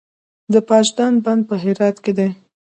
د پاشدان بند په هرات کې دی